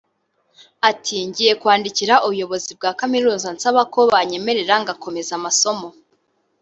Ati “Ngiye kwandikira ubuyobozi bwa Kaminuza nsaba ko banyemerera ngakomeza amasomo